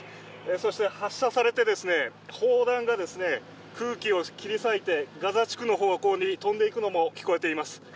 そして発射されて、砲弾が空気を切り裂いてガザ地区の方向に飛んでいくのも聞こえています。